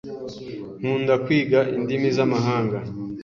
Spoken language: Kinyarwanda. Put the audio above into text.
Nkunda kwiga indimi z'amahanga